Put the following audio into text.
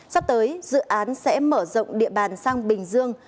sắp tới dự án sẽ mở rộng địa bàn sang bình dương